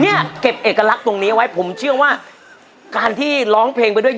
เนี่ยเก็บเอกลักษณ์ตรงนี้เอาไว้ผมเชื่อว่าการที่ร้องเพลงไปด้วย